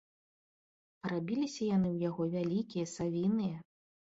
Парабіліся яны ў яго вялікія, савіныя.